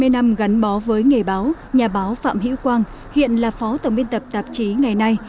hai mươi năm gắn bó với nghề báo nhà báo phạm hữu quang hiện là phó tổng biên tập tạp chí ngày nay